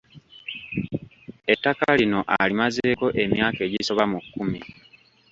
Ettaka lino alimazeeko emyaka egisoba mu kkumi.